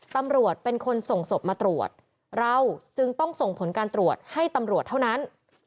ตำรวจเป็นคนส่งศพมาตรวจเราจึงต้องส่งผลการตรวจให้ตำรวจเท่านั้น